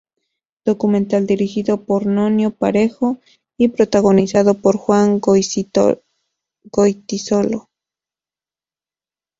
Documental dirigido por Nonio Parejo y protagonizado por Juan Goytisolo.